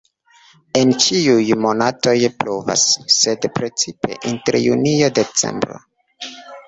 En ĉiuj monatoj pluvas, sed precipe inter junio-decembro.